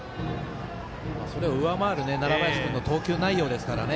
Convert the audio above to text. それを上回る楢林君の投球内容ですからね。